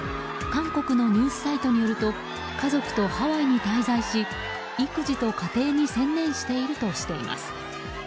韓国のニュースサイトによると家族とハワイに滞在し育児と家庭に専念しているとしています。